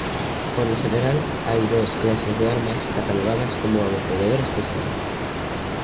Por lo general hay dos clases de armas catalogadas como ametralladoras pesadas.